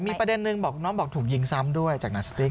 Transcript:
มีประเด็นนึงบอกน้องบอกถูกยิงซ้ำด้วยจากหนังสติ๊ก